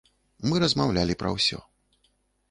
Мы размаўлялі пра ўсё.